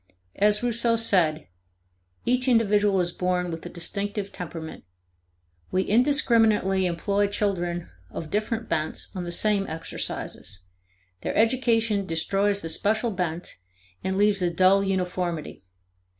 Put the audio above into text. As Rouseau said: "Each individual is born with a distinctive temperament. We indiscriminately employ children of different bents on the same exercises; their education destroys the special bent and leaves a dull uniformity.